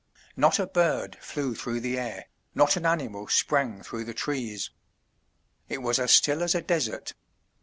Not a bird flew through the air, not an animal sprang through the trees. It was as still as a desert.